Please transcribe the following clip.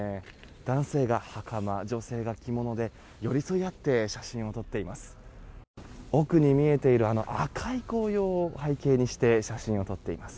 男性が袴、女性が着物で寄り添い合って写真を撮っています。